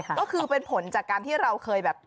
ก็คือเป็นผลจากการที่เราเคยแบบ